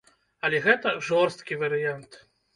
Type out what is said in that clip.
Але гэта жорсткі варыянт.